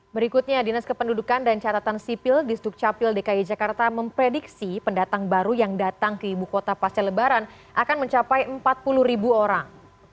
berikutnya dinas kependudukan dan catatan sipil di sdukcapil dki jakarta memprediksi pendatang baru yang datang ke ibu kota pasca lebaran akan mencapai empat puluh ribu orang